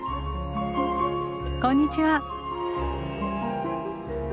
こんにちは。